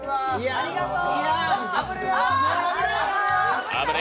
ありがとう！